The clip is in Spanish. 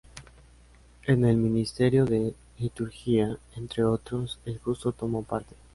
En el ministerio de liturgia, entre otros, el justo tomó parte.